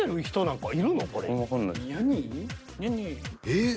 えっ？